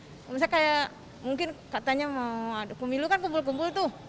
misalnya kayak mungkin katanya mau pemilu kan kumpul kumpul tuh